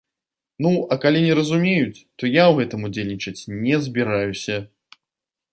Ну, а калі не разумеюць, то я ў гэтым удзельнічаць не збіраюся.